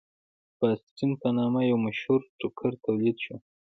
فاسټین په نامه یو مشهور ټوکر تولید شو.